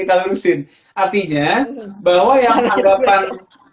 artinya bahwa yang